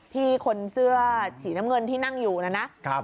ที่คนเสื้อสีน้ำเงินที่นั่งอยู่นะนะ